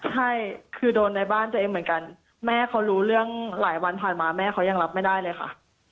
ใช่คือโดนในบ้านตัวเองเหมือนกันแม่เขารู้เรื่องหลายวันผ่านมาแม่เขายังรับไม่ได้เลยค่ะ